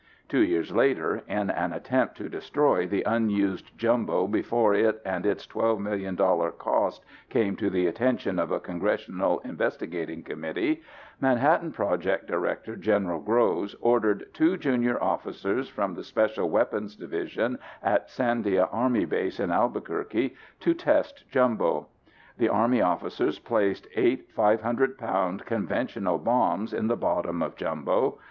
Two years later, in an attempt to destroy the unused Jumbo before it and its 12 million dollar cost came to the attention of a congressional investigating committee, Manhattan Project Director General Groves ordered two junior officers from the Special Weapons Division at Sandia Army Base in Albuquerque to test Jumbo. The Army officers placed eight 500 pound conventional bombs in the bottom of Jumbo.